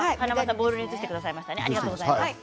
ボウルに移してくださいましたね。